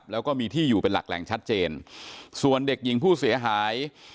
แล้วก็มีที่อยู่เป็นหลักแหล่งชัดเจนส่วนเด็กหญิงผู้เสียหาย